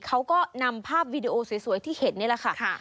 เขาก็นำภาพวีดีโอสวยที่เห็นนี่แหละค่ะ